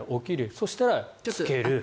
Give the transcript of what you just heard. そしたらつける。